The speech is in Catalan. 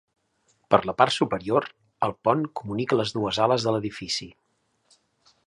Per la part superior, el pont comunica les dues ales de l'edifici.